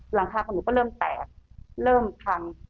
หลังคาของหนูก็เริ่มแตกเริ่มพัง